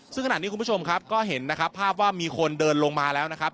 ซึ่งขณะนี้คุณผู้ชมครับก็เห็นนะครับภาพว่ามีคนเดินลงมาแล้วนะครับ